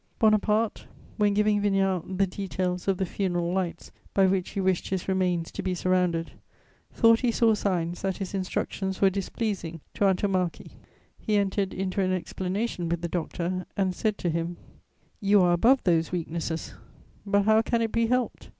Bonaparte, when giving Vignale the details of the funeral lights by which he wished his remains to be surrounded, thought he saw signs that his instructions were displeasing to Antomarchi; he entered into an explanation with the doctor and said to him: "You are above those weaknesses: but how can it be helped?